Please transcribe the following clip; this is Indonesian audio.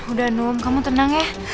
udah num kamu tenang ya